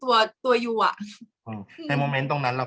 กากตัวทำอะไรบ้างอยู่ตรงนี้คนเดียว